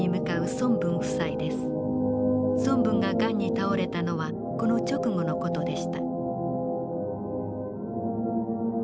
孫文がガンに倒れたのはこの直後の事でした。